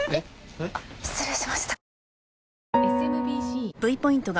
あっ失礼しました。